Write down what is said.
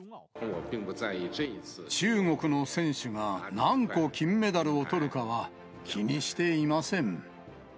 中国の選手が何個金メダルをとるかは、気にしていません。